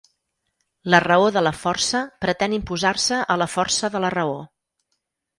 La raó de la força pretén imposar-se a la força de la raó.